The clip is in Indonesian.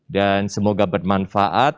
dan semoga bermanfaat